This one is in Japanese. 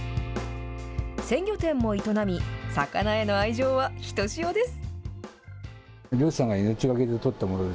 鮮魚店も営み、魚への愛情はひとしおです。